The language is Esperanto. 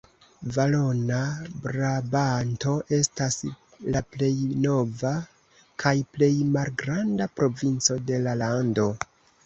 Valona Brabanto estas la plej nova kaj plej malgranda provinco de la lando.